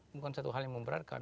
bukan satu hal yang memberatkan